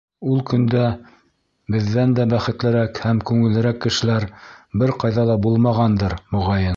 Ул көндә беҙҙән дә бәхетлерәк һәм күңеллерәк кешеләр бер ҡайҙа ла булмағандыр, моғайын.